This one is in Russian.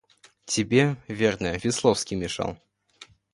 Тебе, верно, Весловский мешал.